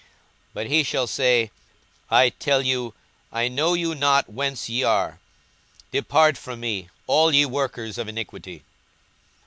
42:013:027 But he shall say, I tell you, I know you not whence ye are; depart from me, all ye workers of iniquity.